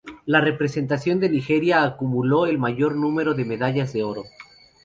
La representación de Nigeria acumuló el mayor número de medallas de oro.